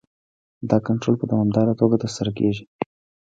دا کنټرول په دوامداره توګه ترسره کیږي.